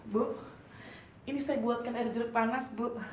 bu ini saya buatkan air jeruk panas bu